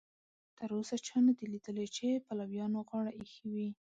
تر اوسه چا نه دي لیدلي چې پلویانو غاړه ایښې وي.